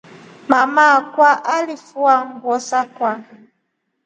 Mama akwa alingefua nguo sakwa.